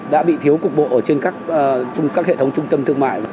đã bị thiếu cục bộ ở trên các hệ thống trung tâm thương mại